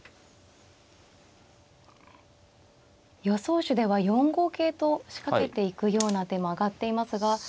予想手では４五桂と仕掛けていくような手も挙がっていますが。